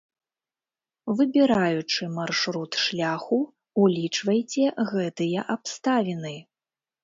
Выбіраючы маршрут шляху, улічвайце гэтыя абставіны.